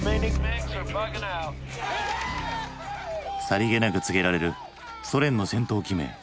さりげなく告げられるソ連の戦闘機名。